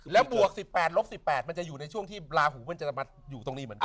แล้วบวก๑๘ลบ๑๘มันจะอยู่ในช่วงที่ลาหูมันจะมาอยู่ตรงนี้เหมือนกัน